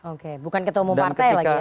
oke bukan ketemu partai lagi ya